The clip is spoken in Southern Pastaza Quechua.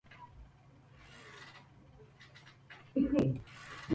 Kuti intimun tamyanayamun.